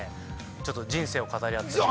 ちょっと人生を語り合って。